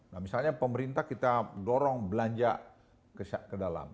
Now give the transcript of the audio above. nah misalnya pemerintah kita dorong belanja ke dalam